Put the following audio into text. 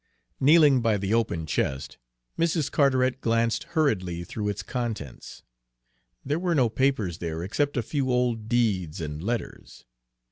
Kneeling by the open chest, Mrs. Carteret glanced hurriedly through its contents. There were no papers there except a few old deeds and letters.